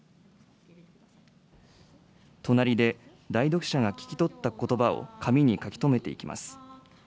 隣で代読者が聞き取ったことばを紙に書き留めていきます。